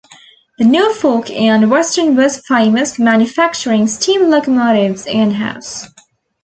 The Norfolk and Western was famous for manufacturing steam locomotives in-house.